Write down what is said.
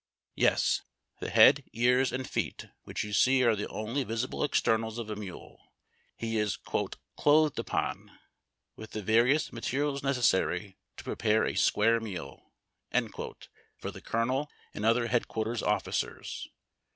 Yes, the head, ears, and feet which you see are the only visible externals of a mule. He is '' clothed upon " with the various materials necessary to prepare a square meal ". for the colonel and other headquarters officers.